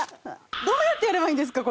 どうやってやればいいんですか？